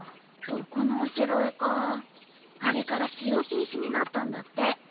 毒のおしろいかあれから使用禁止になったんだって。